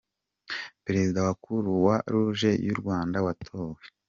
Perezida wa kuruwa ruje y’u Rwanda watowe